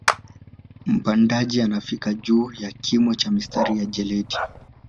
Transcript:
Mpandaji anafika juu ya kimo cha mstari wa jeledi